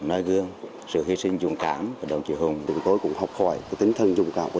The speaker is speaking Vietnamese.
nơi gương sự hy sinh dũng cảm của đồng chí hùng từng tối cũng học hỏi cái tính thân dũng cảm của